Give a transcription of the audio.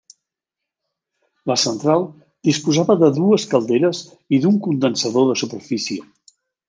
La central disposava de dues calderes i d'un condensador de superfície.